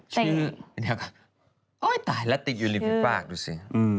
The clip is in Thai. ชื่ออันนี้ก็โอ๊ยตายแล้วติดอยู่ในพี่ปากดูสิ